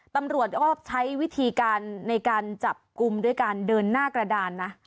ตำรวจก็ใช้วิธีการในการจับกลุ่มด้วยการเดินหน้ากระดานนะ